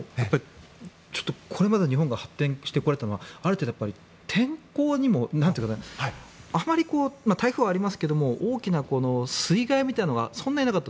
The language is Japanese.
これまで日本が発展してこれたのはある程度、天候にもあまり台風はありますけど大きな水害みたいなものはそんなになかった。